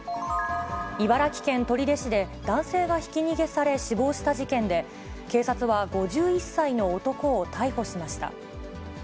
茨城県取手市で男性がひき逃げされ、死亡した事件で、警察は５１歳の男を逮捕しました。